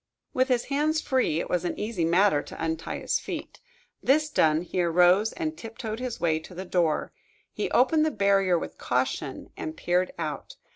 With his hands free, it was an easy matter to untie his feet. This done, he arose and tiptoed his way to the door. He opened the barrier with caution, and peered out.